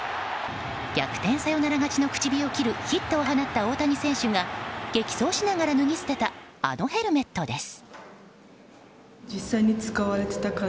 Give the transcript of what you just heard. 逆転サヨナラ勝ちの口火を切るヒットを放った大谷選手が激走しながら脱ぎ捨てたあのヘルメットです。